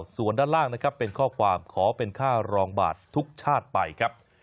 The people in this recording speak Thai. ส่วนด้านล่างนะครับเป็นข้อความขอเป็นค่ารองบาททุกชาติไปครับ